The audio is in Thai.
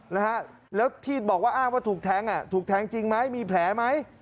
แล้วที่บอกว่าถูกแท้งถูกแท้งจริงไหมมีแผลไหม